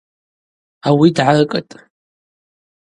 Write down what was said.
Ауи дгӏаркӏытӏ.